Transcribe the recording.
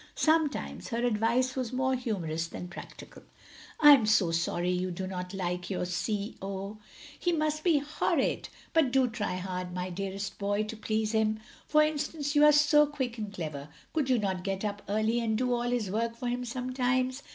Sometimes her advice was more htmiorous than practical. " I am so sorry you do not like your C. O. He OF GROSVENOR SQUARE 45 must be horrid. But do try hard, my dearest boy, to please him. For instance you are so quick and clever, could you not get up early, and do all his work for him sometimes?